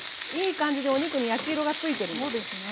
いい感じでお肉に焼き色がついてるんです。